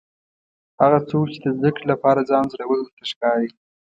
هغه څوک چې د زده کړې لپاره ځان زوړ ورته ښکاري.